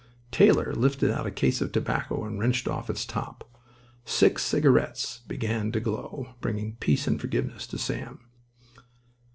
Taylor lifted out a case of tobacco and wrenched off its top. Six cigarettes began to glow, bringing peace and forgiveness to Sam.